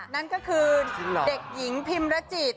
นั่นก็คือเด็กหญิงพิมรจิต